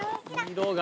色が。